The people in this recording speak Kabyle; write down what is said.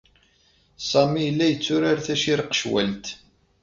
Sami yella yetturar tacirqecwalt.